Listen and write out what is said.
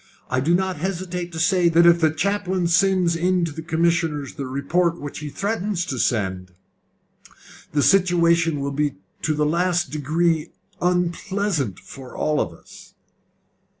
I do not hesitate to say that if the chaplain sends in to the commissioners the report which he threatens to send, the situation will be to the last degree unpleasant for all of us."